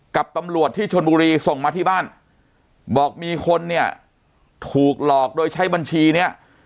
กับตำรวจที่ชนบุรีส่งมาที่บ้านบอกมีคนเนี่ยถูกหลอกโดยใช้บัญชีเนี่ย